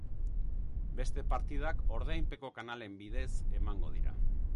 Beste partidak ordainpeko kanalen bidez emango dira.